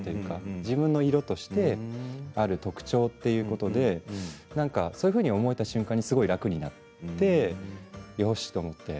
自分の色としてある特徴ということでそういうふうに思えた瞬間にすごく楽になってよしと思って。